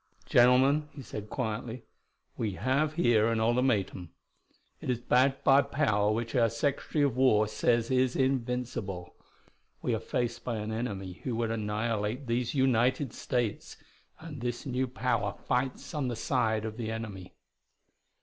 "Gentlemen," he said quietly, "we have here an ultimatum. It is backed by power which our Secretary of War says is invincible. We are faced by an enemy who would annihilate these United States, and this new power fights on the side of the enemy.